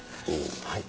はい。